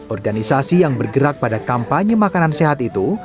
organisasi yang bergerak pada kampanye makanan sehat itu